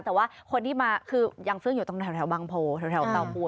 แต่ว่าคนที่มาคือยังเฟื่องอยู่ตรงแถวบางโพแถวเตาปู